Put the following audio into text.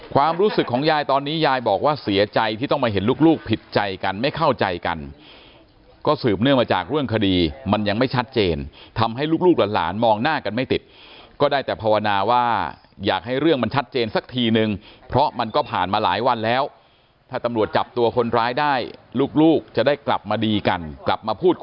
ความรู้สึกของยายตอนนี้ยายบอกว่าเสียใจที่ต้องมาเห็นลูกผิดใจกันไม่เข้าใจกันก็สืบเนื่องมาจากเรื่องคดีมันยังไม่ชัดเจนทำให้ลูกหลานมองหน้ากันไม่ติดก็ได้แต่ภาวนาว่าอยากให้เรื่องมันชัดเจนสักทีนึงเพราะมันก็ผ่านมาหลายวันแล้วถ้าตำรวจจับตัวคนร้ายได้ลูกจะได้กลับมาดีกันกลับมาพูด